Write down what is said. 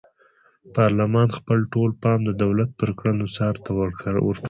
پارلمان خپل ټول پام د دولت پر کړنو څار ته ور ټول کړ.